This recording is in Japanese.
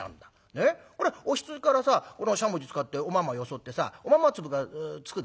これおひつからさこのしゃもじ使っておまんまよそってさおまんま粒がつくだろ。